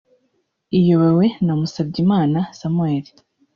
iyobowe na Musabyimana Samuel